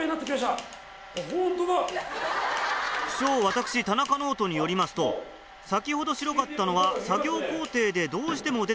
不肖私田中ノートによりますと先ほど白かったのは作業工程でどうしても出て来る